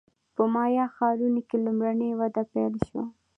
په مایا ښارونو کې لومړنۍ وده پیل شوه